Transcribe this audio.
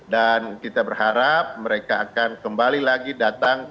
dan kita berharap mereka akan kembali ke negara lainnya